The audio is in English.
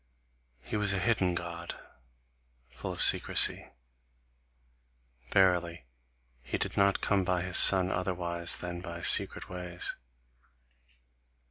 He was a hidden God, full of secrecy. Verily, he did not come by his son otherwise than by secret ways.